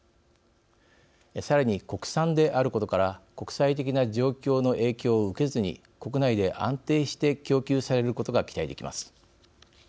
さらに、国産であることから国際的な状況の影響を受けずに国内で安定して供給されることが期待できます。